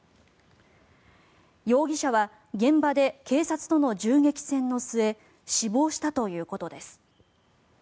容疑者は現場で警察との銃撃戦の末死亡したということです。